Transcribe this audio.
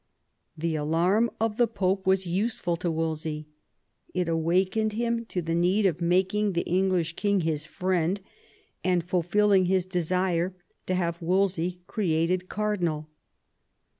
The alarm of the Pope was useful to Wolsey. It awakened him to the need of making the English king his friend, and fulfilling his desire to have Wolsey created cardinal.